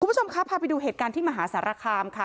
คุณผู้ชมครับพาไปดูเหตุการณ์ที่มหาสารคามค่ะ